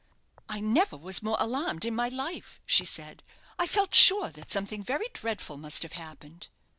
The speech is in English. "I never was more alarmed in my life," she said. "I felt sure that something very dreadful must have happened."